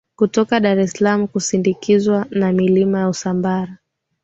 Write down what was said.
kutoka Dar es Salaam ukisindikizwa na milima ya Usambara